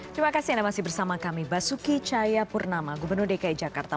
terima kasih yang masih bersama kami basuki chaya purnama gubernur dki jakarta